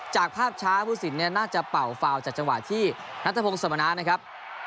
จากภาพช้าผู้สินเนี่ยน่าจะเป่าฟาวจากจังหวะที่นัทพงศ์สมณะนะครับ